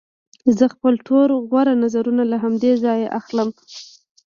زه خپل ټول غوره نظرونه له همدې ځایه اخلم